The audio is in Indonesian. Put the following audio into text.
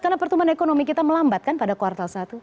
karena pertumbuhan ekonomi kita melambat kan pada kuartal satu